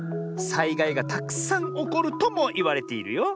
さいがいがたくさんおこるともいわれているよ。